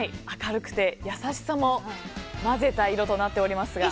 明るくて優しさも混ぜた色となっています。